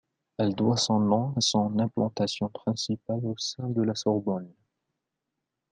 Elle doit son nom à son implantation principale au sein de la Sorbonne.